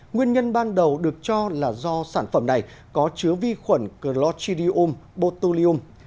nguyên nhân ban đầu được cho là do sản phẩm này có chứa vi khuẩn clorium botulium